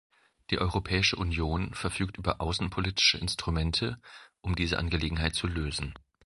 Die Europäische Union verfügt über außenpolitische Instrumente, um diese Angelegenheit zu lösen.